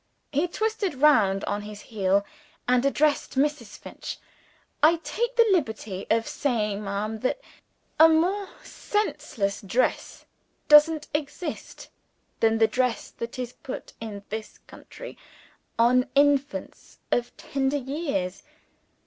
He twisted round on his heel, and addressed Mrs. Finch. "I take the liberty of saying, ma'am, that a more senseless dress doesn't exist, than the dress that is put, in this country, on infants of tender years.